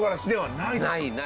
ないない。